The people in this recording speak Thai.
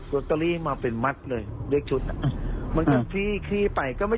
ลอตเตอรี่มาเป็นมัดเลยเลขชุดอ่ะมันก็พี่คี่ไปก็ไม่